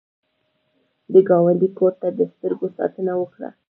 د ګاونډي کور ته د سترګو ساتنه وکړه